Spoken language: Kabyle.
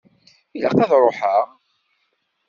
Ilaq ad ṛuḥeɣ?